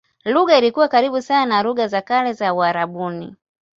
Lugha ilikuwa karibu sana na lugha za kale za Uarabuni.